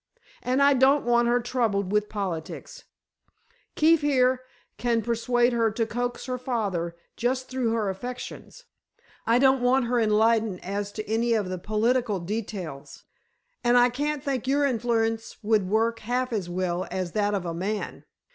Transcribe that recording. "And I don't want her troubled with politics. Keefe here can persuade her to coax her father just through her affections—I don't want her enlightened as to any of the political details. And I can't think your influence would work half as well as that of a man.